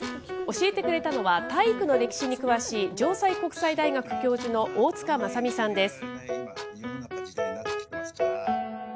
教えてくれたのは、体育の歴史に詳しい城西国際大学教授の大塚正美さんです。